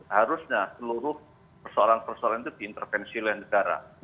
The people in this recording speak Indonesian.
harusnya seluruh persoalan persoalan itu diintervensi oleh negara